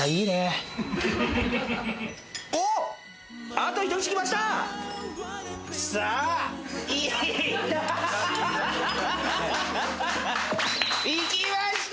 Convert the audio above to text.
あと一口きました！